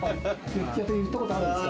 言ったことあるんですか？